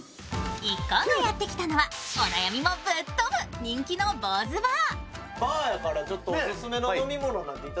一行がやって来たのはお悩みもぶっ飛ぶ、人気の坊主バー。